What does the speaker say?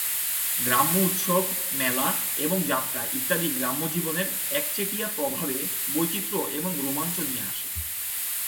গ্রাম্য উৎসব, মেলা, এবং যাত্রা ইত্যাদি গ্রাম্য জীবনের একচেটিয়া প্রবাহে বৈচিত্র্য এবং রোমাঞ্চ নিয়ে আসে।